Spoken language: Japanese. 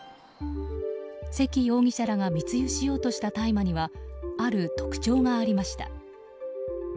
関容疑者らが密輸しようとした大麻にはある特徴がありました。